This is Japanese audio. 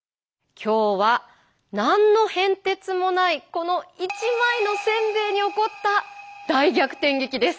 今日は何の変哲もないこの一枚のせんべいに起こった大逆転劇です。